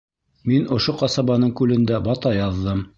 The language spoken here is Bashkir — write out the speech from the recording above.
Мин ошо ҡасабаның күлендә бата яҙҙым.